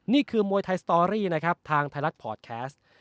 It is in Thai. นี่คือมวยไทยสตอรี่นะครับทางไทยรัฐพอร์ตแคสต์